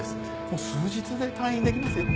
もう数日で退院できますよ。